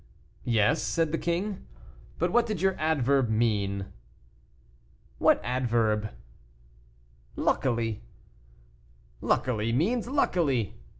"Yes," said the king; "but what did your adverb mean?" "What adverb?" "'Luckily.'" "'Luckily' means luckily.